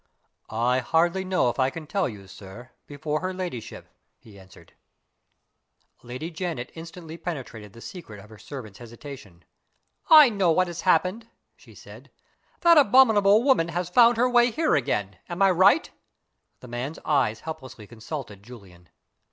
"I hardly know if I can tell you, sir, before her ladyship," he answered. Lady Janet instantly penetrated the secret of her servant's hesitation. "I know what has happened," she said; "that abominable woman has found her way here again. Am I right?" The man's eyes helplessly consulted Julian.